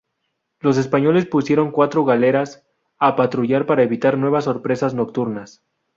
Los españoles pusieron cuatro galeras a patrullar para evitar nuevas sorpresas nocturnas.